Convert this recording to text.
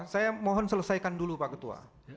saya mohon selesaikan dulu pak ketua